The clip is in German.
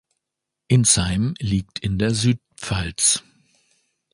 Insheim liegt in der Südpfalz.